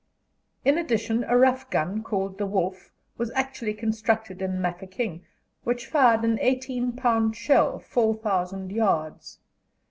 In addition a rough gun, called "The Wolf," was actually constructed in Mafeking, which fired an 18 pound shell 4,000 yards.